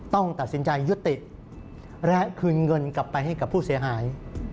ต้องตัดสินใจยุติและคืนเงินกลับไปให้กับผู้เสียหาย